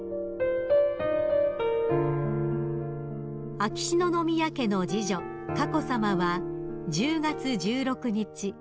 ［秋篠宮家の次女佳子さまは１０月１６日